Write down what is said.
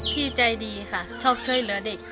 พี่ใจดีค่ะชอบช่วยเหลือเด็ก